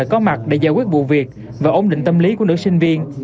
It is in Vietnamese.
có mặt để giải quyết vụ việc và ổn định tâm lý của nữ sinh viên